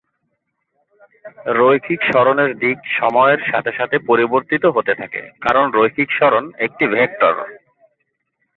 রৈখিক সরণের দিক সময়ের সাথে সাথে পরিবর্তিত হতে থাকে কারণ রৈখিক সরণ একটি ভেক্টর।